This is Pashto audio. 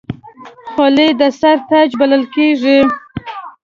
خولۍ د سر تاج بلل کېږي.